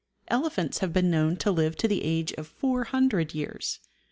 Elephants have been known to live to the age of 400 years.